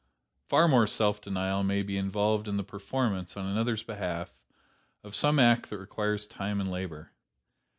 Far more self denial may be involved in the performance, on another's behalf, of some act that requires time and labor.